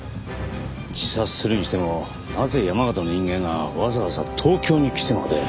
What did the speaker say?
自殺するにしてもなぜ山形の人間がわざわざ東京に来てまで？